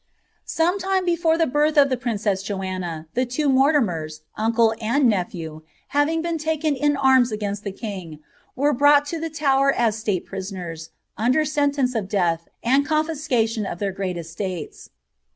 ^ Some time before the birth of the princess Joanna, the two Morti lers, uncle and nephew, having been taken in arms against the king, ren brought to the Tower as state prisoners, under sentence of death nd confiscation of their great estates.'